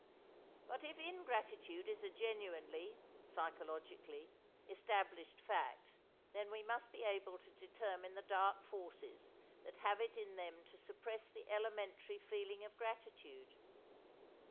But if ingratitude is a genuinely (psychologically) established fact then we must be able to determine the dark forces that have it in them to suppress the elementary feeling of gratitude.